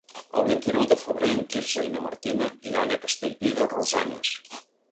El vint-i-nou de febrer en Quirze i na Martina iran a Castellví de Rosanes.